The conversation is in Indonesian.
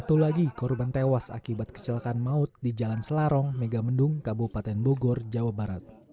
satu lagi korban tewas akibat kecelakaan maut di jalan selarong megamendung kabupaten bogor jawa barat